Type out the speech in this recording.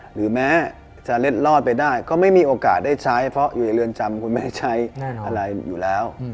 หรือแม้จะเล็ดลอดไปได้ก็ไม่มีโอกาสได้ใช้เพราะอยู่ในเรือนจำคุณไม่ได้ใช้อะไรอยู่แล้ว